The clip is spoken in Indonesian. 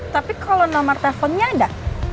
tapi kalau nomor teleponnya ada